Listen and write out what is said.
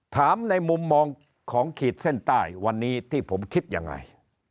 ในมุมมองของขีดเส้นใต้วันนี้ที่ผมคิดยังไง